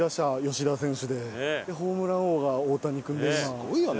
すごいよね。